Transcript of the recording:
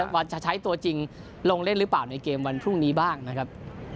วันจะใช้ตัวจริงลงเล่นหรือเปล่าในเกมวันพรุ่งนี้บ้างนะครับ